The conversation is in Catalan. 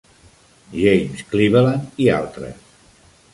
James Cleveland, i altres.